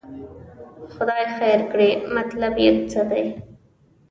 خدای خیر کړي، مطلب یې څه دی.